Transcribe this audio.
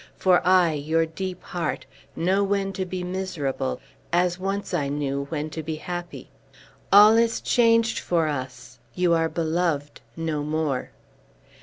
For I, your deep heart, know when to be miserable, as once I knew when to be happy! All is changed for us! You are beloved no more!"